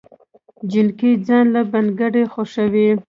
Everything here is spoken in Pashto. جينکۍ ځان له بنګړي خوښوي